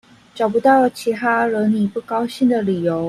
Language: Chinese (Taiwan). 找不到其他惹你不高興的理由